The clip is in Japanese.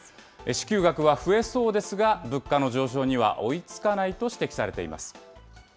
支給額は増えそうですが、物価の上昇には追いつかないと指摘されています。